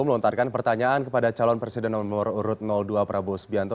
melontarkan pertanyaan kepada calon presiden nomor urut dua prabowo subianto